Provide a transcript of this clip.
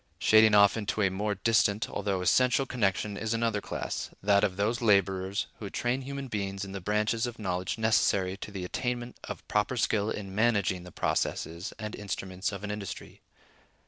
Shading off into a more distant, although essential, connection is another class—that of those laborers who train human beings in the branches of knowledge necessary to the attainment of proper skill in managing the processes and instruments of an industry.